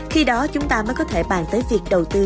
khi đó chúng ta mới có thể bàn tới việc đầu tư